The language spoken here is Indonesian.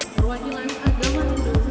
merwakilan agama hindu